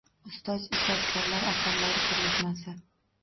Ustoz ijodkorlar asarlari ko‘rgazmasi